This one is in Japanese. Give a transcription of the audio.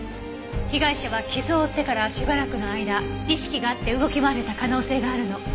被害者は傷を負ってからしばらくの間意識があって動き回れた可能性があるの。